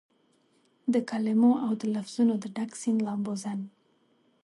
دکلمو اودلفظونو دډک سیند لامبوزن